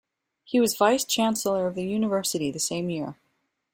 He was vice-chancellor of the university the same year.